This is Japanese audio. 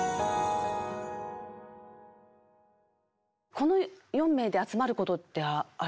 この４名で集まることってありますか？